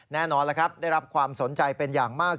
แน่นอนแล้วครับได้รับความสนใจเป็นอย่างมาก